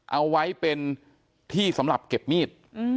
เอาไว้เป็นที่สำหรับเก็บมีด